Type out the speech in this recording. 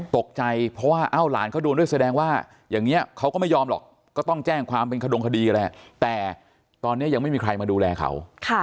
ตกใจเพราะว่าเอ้าหลานเขาโดนด้วยแสดงว่าอย่างนี้เขาก็ไม่ยอมหรอกก็ต้องแจ้งความเป็นขดงคดีแหละแต่ตอนนี้ยังไม่มีใครมาดูแลเขา